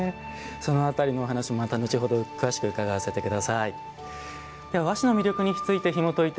その辺りの話もまた後ほど詳しく伺わせてください。